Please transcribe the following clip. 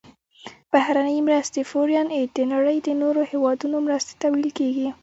بهرنۍ مرستې Foreign Aid د نړۍ د نورو هیوادونو مرستې ته ویل کیږي.